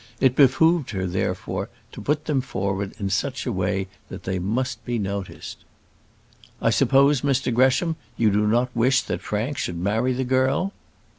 It behoved her, therefore, to put them forward in such a way that they must be noticed. "I suppose, Mr Gresham, you do not wish that Frank should marry the girl?"